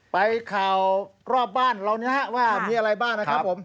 ไปข่าวรอบบ้านเรานะครับว่ามีอะไรบ้างนะครับผม